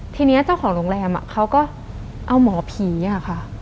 ทีนี้เจ้าของโรงแรมเขาก็เอาหมอผีอะค่ะ